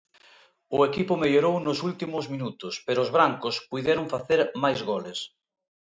O equipo mellorou nos últimos minutos, pero os brancos puideron facer máis goles.